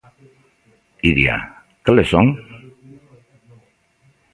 Iria, cales son?